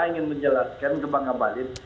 ingin menjelaskan ke bang ambalin